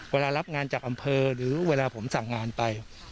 เวลารับงานจากอำเภอหรือเวลาผมสั่งงานไป